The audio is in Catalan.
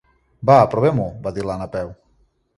Va, provem-ho —va dir la Napeu—.